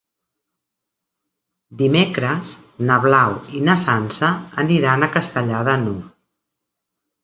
Dimecres na Blau i na Sança aniran a Castellar de n'Hug.